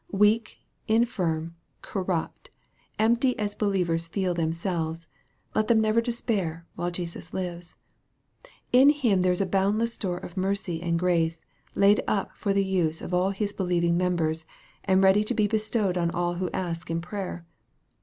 Weak, infirm, corrupt, empty as believers feel themselves, let them never despair, while Jesus lives. In Him there is a boundless store of mercy and grace, laid up for the use of all His believing members, and ready to be bestowed on all who ask in prayer.